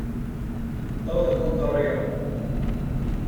¡ todo el mundo arriba!